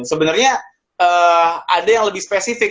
sebenarnya ada yang lebih spesifik